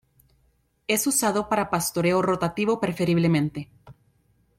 Es usado para pastoreo rotativo preferiblemente.